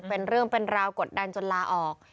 เป็นเรื่องเป็นราวกดดันจนลาออก